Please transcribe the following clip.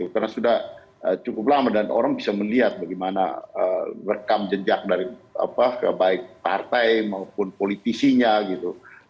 karena sudah cukup lama dan orang bisa melihat bagaimana rekam jenjak dari baik partai maupun politisinya gitu